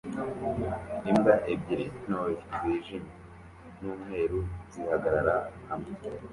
Imbwa ebyiri ntoya zijimye n'umweru zihagarara hamwe